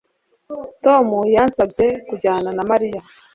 Tom yansabye kujyana na Mariya